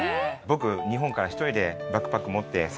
僕日本から一人でバックパック持って。